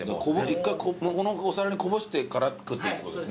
一回このお皿にこぼしてから食っていいってことですね。